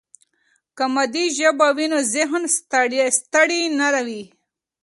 که مادي ژبه وي، نو ذهن ستړي نه وي.